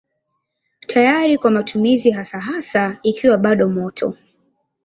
Tayari kwa matumizi hasa hasa ikiwa bado moto.